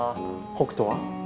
北斗は？